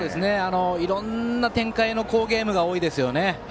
いろんな展開の好ゲームが多いですよね。